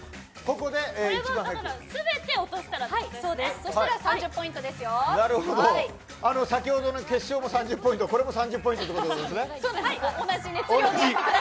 全て落としたらそうしたら先ほどの決勝も３０ポイントこれも３０ポイントということですね。